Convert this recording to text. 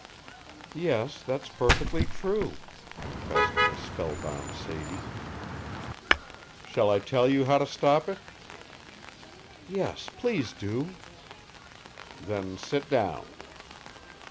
"Yes, that's perfectly true," confessed the spellbound Sadie. "Shall I tell you how to stop it?" "Yes, please do." "Then sit down."